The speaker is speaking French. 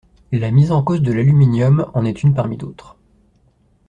La mise en cause de l’aluminium en est une parmi d’autres.